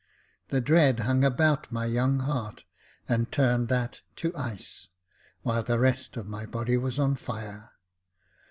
The dread hung about my young heart and turned that to ice, while the rest of. my body was on fire.